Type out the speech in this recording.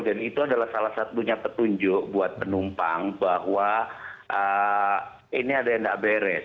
dan itu adalah salah satu petunjuk buat penumpang bahwa ini ada yang tidak beres